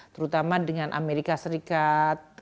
terutama dengan amerika serikat